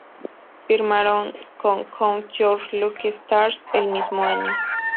Firmaron con Count Your Lucky Stars el mismo año.